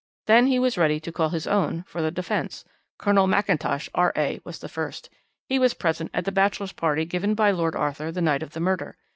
Then he was ready to call his own for the defence. Colonel McIntosh, R.A., was the first. He was present at the bachelors' party given by Lord Arthur the night of the murder.